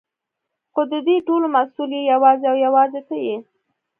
خو ددې ټولو مسؤل يې يوازې او يوازې ته يې.